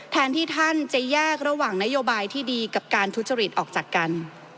แทนที่ท่านจะแยกระหว่างนโยบายที่ดีกับการทุจริตออกจากกัน